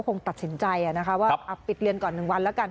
คงตัดสินใจนะคะว่าปิดเรียนก่อน๑วันแล้วกัน